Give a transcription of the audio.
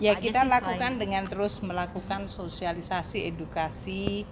ya kita lakukan dengan terus melakukan sosialisasi edukasi